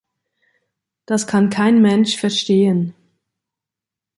Das kann kein Mensch verstehen.